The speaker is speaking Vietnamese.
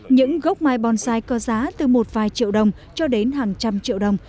những gốc mai bonsai có giá từ một vài triệu đồng cho đến hàng trăm triệu đồng